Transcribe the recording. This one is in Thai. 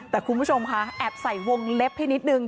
แต่คุณผู้ชมค่ะแอบใส่วงเล็บให้นิดนึง